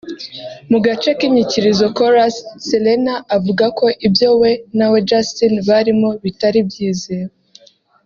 Mu gace k’inyikirizo (chorus) Selena avuga ko ibyo we na Justin barimo bitari byizewe